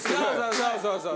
そうそうそう。